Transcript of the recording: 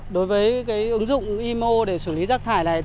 đối với ứng dụng imo để xử lý rác thải này